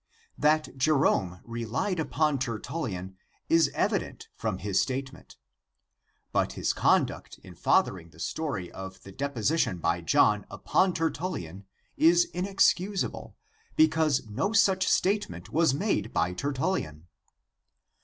That Jerome relied upon Tertullian is evident from his state ment; but his conduct in fathering the story of the deposition by John upon Tertullian is inexcusable, because no such statement was made by Tertullian.